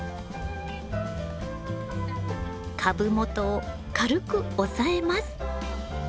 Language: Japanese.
株元を軽く押さえます。